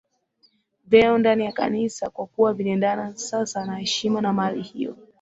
vyeo ndani ya Kanisa kwa kuwa viliendana sasa na heshima na mali hivyo